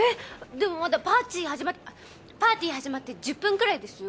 でもまだパーチー始まってあっパーティー始まって１０分くらいですよ？